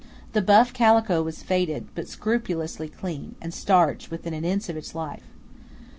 The buff calico was faded, but scrupulously clean, and starched within an inch of its life.